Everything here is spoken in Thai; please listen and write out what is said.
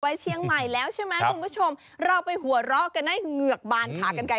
เชียงใหม่แล้วใช่ไหมคุณผู้ชมเราไปหัวเราะกันให้เหงือกบานขากันไกล